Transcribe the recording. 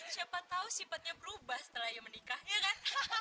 siapa tahu sifatnya berubah setelah ia menikah ya kan